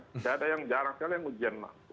tidak ada yang jarang sekali yang ujian mampu